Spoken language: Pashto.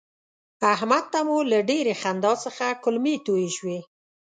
احمد ته مو له ډېرې خندا څخه کولمې توی شوې.